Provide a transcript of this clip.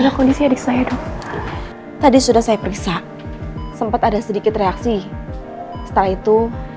kondisi adik saya dok tadi sudah saya periksa sempat ada sedikit reaksi setelah itu